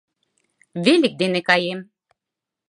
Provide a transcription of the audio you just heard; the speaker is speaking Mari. Велик дене каем.